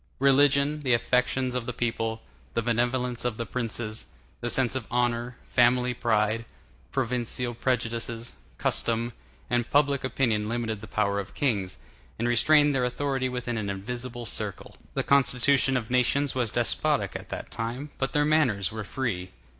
Religion, the affections of the people, the benevolence of the prince, the sense of honor, family pride, provincial prejudices, custom, and public opinion limited the power of kings, and restrained their authority within an invisible circle. The constitution of nations was despotic at that time, but their manners were free.